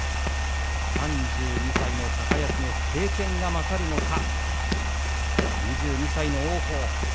３２歳の高安の経験が勝るか２２歳の王鵬